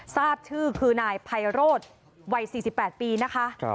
ทราบชื่อคือนายไพโรธวัย๔๘ปีนะคะ